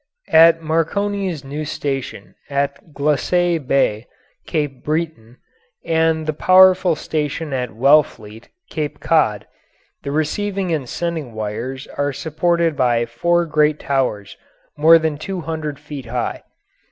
At Marconi's new station at Glacé Bay, Cape Breton, and at the powerful station at Wellfleet, Cape Cod, the receiving and sending wires are supported by four great towers more than two hundred feet high.